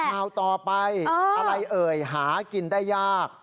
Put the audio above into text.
ข่าวต่อไปอะไรเอ่ยหากินได้ยาก